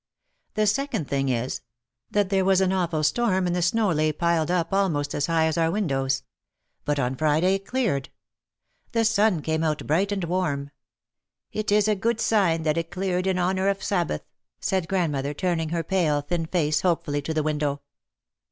The second thing is that there was an awful storm and the snow lay piled up almost as high as our windows. But on Friday it cleared. The sun came out bright and warm. "It is a good sign that it cleared in honour of Sabbath," said grandmother, turning her pale, thin face hopefully to the window.